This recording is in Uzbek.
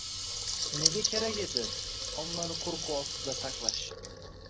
Nega kerak edi ommani qo‘rquv ostida saqlash?